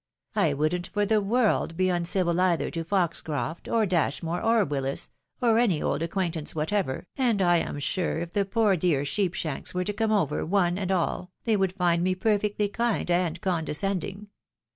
I wouldn't for the world be uncivil either to Foxcroft, or Dash more, or Willis, or any old acquaintance whatever, and I am sure if the poor dear Sheepshanks were to come over, one and all, they would find me perfectly kind and condescending.